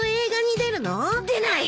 出ない！